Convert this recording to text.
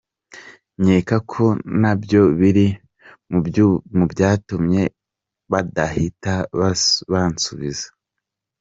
Nkeka ko nabyo biri mu byatumye badahita bansubiza.